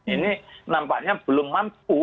ini nampaknya belum mampu